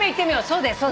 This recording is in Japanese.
そうだよ。